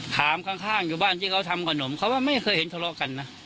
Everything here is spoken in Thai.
ข้างอยู่บ้านที่เขาทำขนมเขาว่าไม่เคยเห็นทะเลาะกันนะ